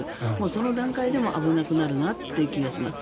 その段階でも危なくなるなという感じがします。